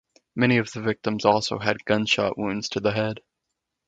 Many of the victims also had gunshot wounds to the head.